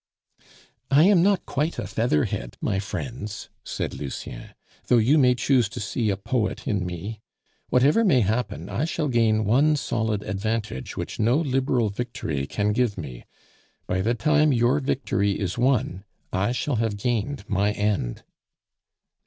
"I am not quite a featherhead, my friends," said Lucien, "though you may choose to see a poet in me. Whatever may happen, I shall gain one solid advantage which no Liberal victory can give me. By the time your victory is won, I shall have gained my end."